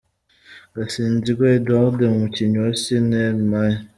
Gasinzigwa Edouard - umukinnyi wa Cine Elmay.